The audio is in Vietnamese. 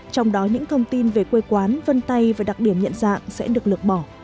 trong đó những thông tin về quê quán vân tay và đặc điểm nhận dạng sẽ được lược bỏ